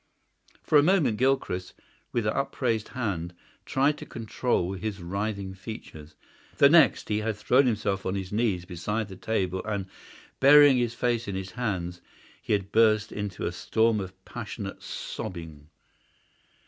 For a moment Gilchrist, with upraised hand, tried to control his writhing features. The next he had thrown himself on his knees beside the table and, burying his face in his hands, he had burst into a storm of passionate sobbing.